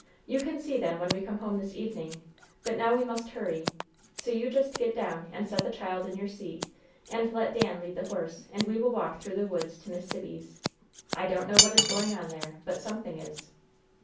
You can see them when we come home this evening; but now we must hurry; so you just get down and set the child in your seat, and let Dan lead the horse, and we will walk through the woods to Miss Sibby's. I don't know what is going on there, but something is."